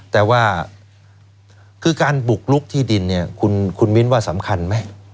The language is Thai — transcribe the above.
แต่ว่าคือการบุกลุกที่ดินเนี่ยคุณมิ้นว่าสำคัญไหม